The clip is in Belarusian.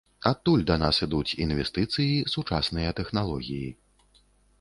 Адтуль да нас ідуць інвестыцыі, сучасныя тэхналогіі.